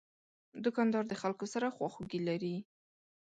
دوکاندار د خلکو سره خواخوږي لري.